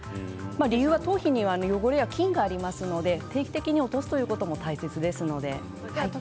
理由は頭皮には汚れや菌がありますので定期的に落とすということも大切ですので。